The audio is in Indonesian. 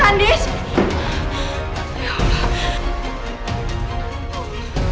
tante dimana sih tante